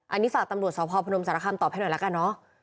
อันนี้ฝากตำรวจสพพนมสารคำตอบให้หน่อยละกันเนอะ